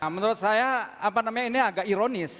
menurut saya ini agak ironis